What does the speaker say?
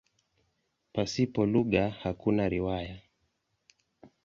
Pasipo lugha hakuna riwaya.